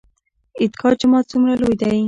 عیدګاه جومات څومره لوی دی؟